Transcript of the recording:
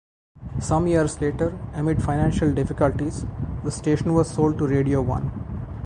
Some years later, amid financial difficulties, the station was sold to Radio One.